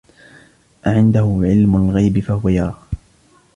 أَعِندَهُ عِلْمُ الْغَيْبِ فَهُوَ يَرَى